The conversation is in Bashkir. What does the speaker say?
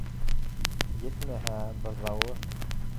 Етмәһә, быҙауы